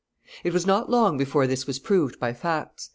It was not long before this was proved by facts.